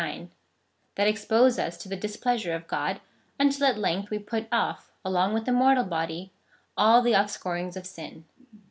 9) that expose us to the displeasure of God, until at length we put off, along with the mortal body, all the offscourings of sin.